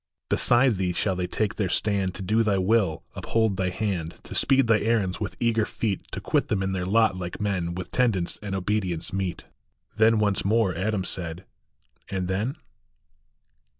Beside thee shall they take their stand, To do thy will, uphold thy hand, To speed thy errands with eager feet, To quit them in their lot like men, With tendance and obedience meet." Then once more Adam said, " And then?